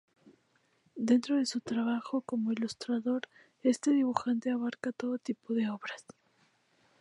Dentro de su trabajo como ilustrador este dibujante abarca todo tipo de obras.